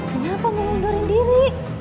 kenapa mau mundurkan diri